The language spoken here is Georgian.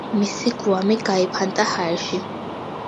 მისი გვამი გაიფანტა ჰაერში.